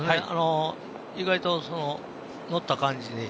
意外と乗った感じ